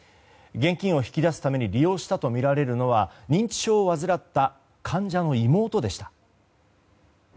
現金を引き出すために利用したとみられるのは認知症を患った患者の妹でした。